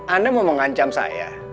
anda mau mengancam saya